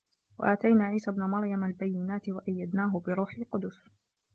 وَآتَيْنَا عِيسَى ابْنَ مَرْيَمَ الْبَيِّنَاتِ وَأَيَّدْنَاهُ بِرُوحِ الْقُدُسِ ۗ